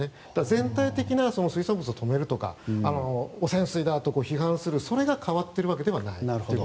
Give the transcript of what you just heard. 全体的な、水産物を止めるとか汚染水だと批判する、それが変わっているわけではないと。